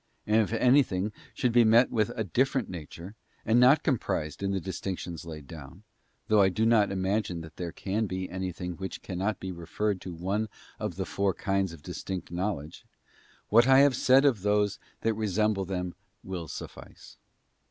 And if anything should be met with of a different nature, and not comprised in the dis tinctions laid down—though I do not imagine that there can be anything which cannot be referred to one of the four kinds of distinct knowledge—what I have said of those that resemble them will suffice.